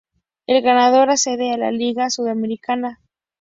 El ganador accede a la Liga Sudamericana.